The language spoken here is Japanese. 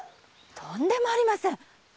とんでもありません！